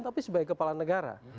tapi sebagai kepala negara